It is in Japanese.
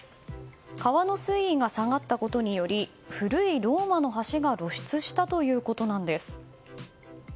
川の水位が下がったことにより古いローマの橋が露出したということなんです。